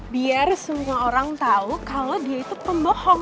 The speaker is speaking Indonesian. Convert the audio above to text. biar semuanya orang tau kalo dia itu pembohong